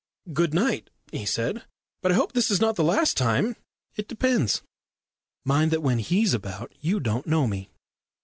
"Good night," he said. "But I hope this is not the last time " "It depends. Mind that when he's about you don't know me."